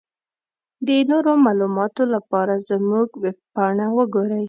د نورو معلوماتو لپاره زمونږ ويبپاڼه وګورٸ.